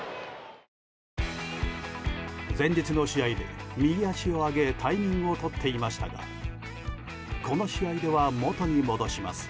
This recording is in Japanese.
前日の試合で、右足を上げタイミングをとっていましたがこの試合では元に戻します。